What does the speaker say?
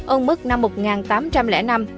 ông mất năm một nghìn tám trăm linh năm